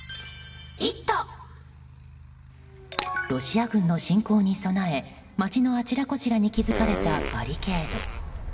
ロシア軍の侵攻に備え街のあちらこちらに築かれたバリケード。